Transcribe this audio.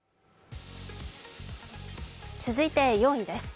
続いて４位です。